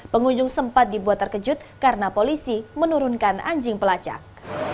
pengunjung sempat dibuat terkejut karena polisi menurunkan anjing pelacak